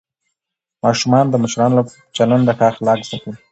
ماشومان د مشرانو له چلنده ښه اخلاق زده کوي